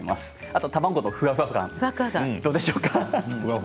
あとは卵のふわふわ感いかがでしょうか。